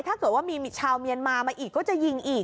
ถ้าเกิดว่ามีชาวเมียนมามาอีกก็จะยิงอีก